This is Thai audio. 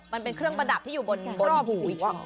มันเป็นเครื่องประดับที่อยู่บนหูอีก